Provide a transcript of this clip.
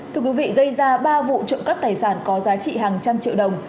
thưa quý vị gây ra ba vụ trộm cắp tài sản có giá trị hàng trăm triệu đồng